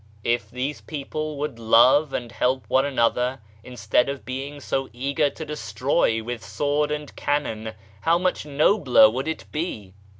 If these people would love and help one another instead of being so eager to destroy with sword and cannon, how much nobler would it be